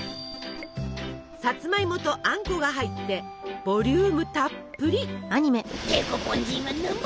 さつまいもとあんこが入ってボリュームたっぷり。